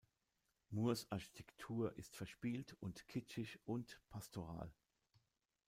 Moores Architektur ist verspielt und kitschig und pastoral.